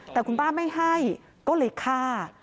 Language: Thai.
แต่คุณป้าไม่ให้ก็เลยฆ่า